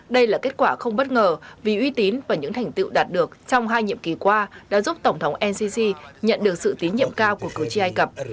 đây là kết quả không bất ngờ vì uy tín và những thành tựu đạt được trong hai nhiệm kỳ qua đã giúp tổng thống ncc nhận được sự tín nhiệm cao của cử tri ai cập